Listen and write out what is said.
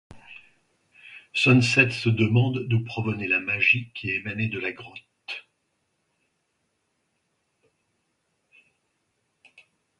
Sunset se demande d'où provenait la magie qui émanait de la grotte.